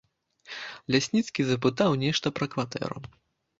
Лясніцкі запытаў нешта пра кватэру.